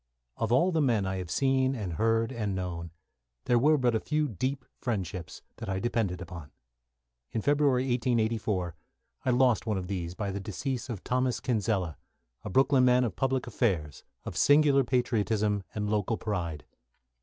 Of all the men I have seen and heard and known, there were but a few deep friendships that I depended upon. In February, 1884, I lost one of these by the decease of Thomas Kinsella, a Brooklyn man of public affairs, of singular patriotism and local pride.